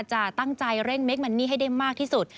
จะตั้งใจเร่งเคมันนี่ให้ได้มากที่สุด